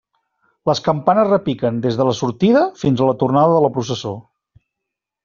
Les campanes repiquen des de la sortida fins a la tornada de la processó.